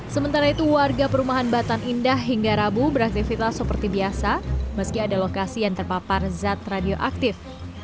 sementara itu warga perumahan batan indah hingga rabu beraktivitas seperti biasa meski ada lokasi yang terpapar zat radioaktif